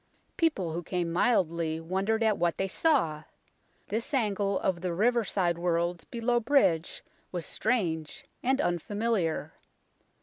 People who came mildly wondered at what they saw. This angle of the riverside world below bridge was strange and unfamiliar.